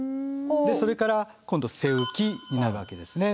それから今度背浮きになるわけですね。